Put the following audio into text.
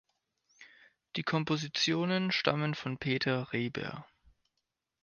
Die Kompositionen stammen von Peter Reber.